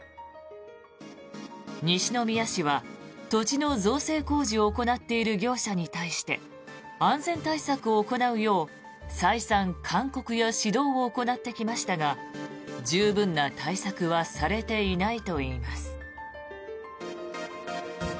西宮市は土地の造成工事を行っている業者に対して安全対策を行うよう再三、勧告や指導を行ってきましたが十分な対策はされていないといいます。